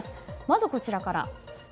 まずこちらから。